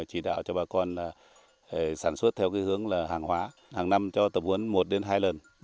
chỉ đạo cho bà con sản xuất theo hướng hàng hóa hàng năm cho tập huấn một hai lần